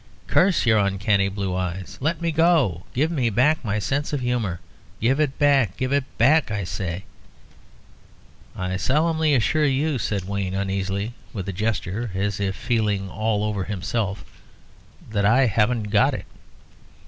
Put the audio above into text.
Curse your uncanny blue eyes! Let me go. Give me back my sense of humour. Give it me back give it me back, I say!" "I solemnly assure you," said Wayne, uneasily, with a gesture, as if feeling all over himself, "that I haven't got it."